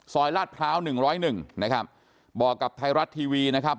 ซอยราชพร้าว๑๐๑นะครับบอกกับไทยรัฐทีวีนะครับ